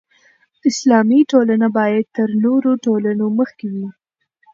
اسلامي ټولنه باید تر نورو ټولنو مخکې وي.